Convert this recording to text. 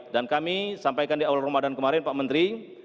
dan kami sampaikan di awal ramadan kemarin pak menteri